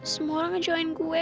semua orang ngejoin gue